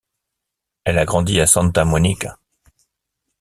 Elle a grandi à Santa Monica.